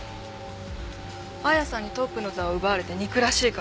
亜矢さんにトップの座を奪われて憎らしいから殺した。